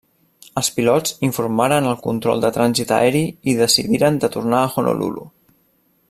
Els pilots informaren el Control de Trànsit Aeri i decidiren de tornar a Honolulu.